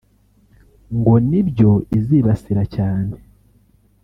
ngo ni byo izibasira cyane